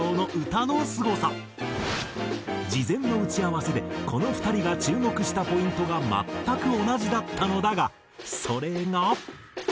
事前の打ち合わせでこの２人が注目したポイントが全く同じだったのだがそれが。